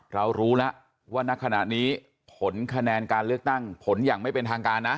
เรารู้แล้วว่าณขณะนี้ผลคะแนนการเลือกตั้งผลอย่างไม่เป็นทางการนะ